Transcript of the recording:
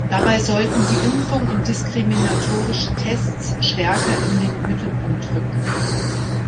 Dabei sollten die Impfung und diskriminatorische Tests stärker in den Mittelpunkt rücken.